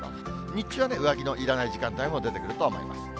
日中はね、上着のいらない時間帯も出てくるとは思います。